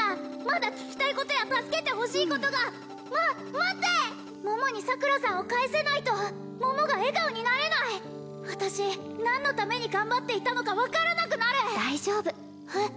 まだ聞きたいことや助けてほしいことがま待って桃に桜さんを返せないと桃が笑顔になれない私何のために頑張っていたのか分からなくなる大丈夫えっ？